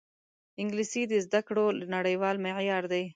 انګلیسي د زده کړو نړیوال معیار دی